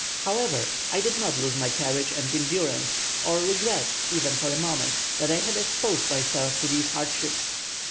However, I did not lose my courage and endurance, or regret, even for a moment, that I had exposed myself to these hardships.